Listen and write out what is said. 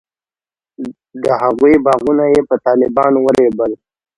د هغوی باغونه یې په طالبانو ورېبل.